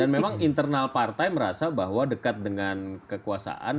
dan memang internal partai merasa bahwa dekat dengan kekuasaan